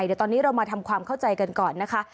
เดี๋ยวตอนนี้เรามาทำความเข้าใจกันก่อนนะคะ